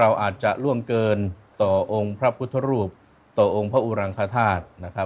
เราอาจจะล่วงเกินต่อองค์พระพุทธรูปต่อองค์พระอุรังคธาตุ